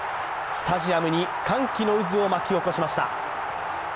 スタジアムに歓喜の渦を巻き起こしました。